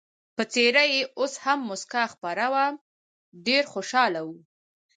پر څېره یې اوس هم مسکا خپره وه، ډېر خوشحاله و.